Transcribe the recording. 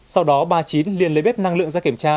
sau đó bà chín liền lấy bếp năng lượng ra kiểm tra